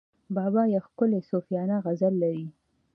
بابا یو ښکلی صوفیانه غزل لري.